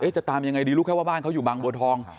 จะตามยังไงดีรู้แค่ว่าบ้านเขาอยู่บางบัวทอง